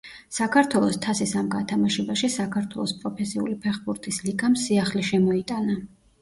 საქართველოს თასის ამ გათამაშებაში საქართველოს პროფესიული ფეხბურთის ლიგამ სიახლე შემოიტანა.